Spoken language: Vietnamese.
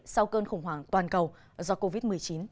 sau cơn khủng hoảng toàn cầu do covid một mươi chín